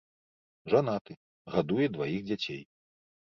Жанаты, гадуе дваіх дзяцей.